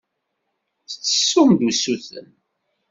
Tettessum-d usuten.